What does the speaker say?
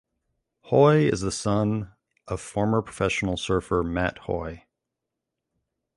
Hoy is the son of former professional surfer Matt Hoy.